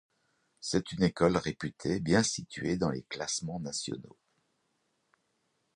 C'est une école réputée, bien située dans les classements nationaux.